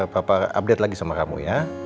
papa update lagi sama kamu ya